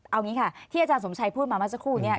เอาหนึ่งค่ะที่อาจารย์สมชัยพูดมาแม้สักครู่เนี่ย